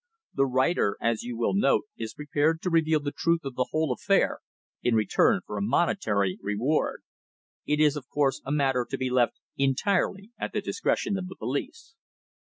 The writer, as you will note, is prepared to reveal the truth of the whole affair in return for a monetary reward. It is, of course, a matter to be left entirely at the discretion of the police."